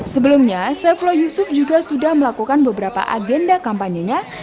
sebelumnya saifullah yusuf juga sudah melakukan beberapa agenda kampanyenya